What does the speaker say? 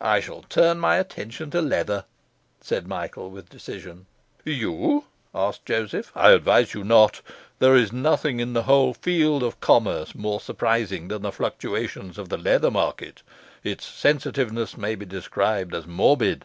'I shall turn my attention to leather,' said Michael with decision. 'You?' asked Joseph. 'I advise you not. There is nothing in the whole field of commerce more surprising than the fluctuations of the leather market. Its sensitiveness may be described as morbid.